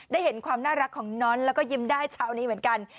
ได้เห็นความน่ารักของน้อนแล้วก็ยิ้มได้เช้านี้เหมือนกัน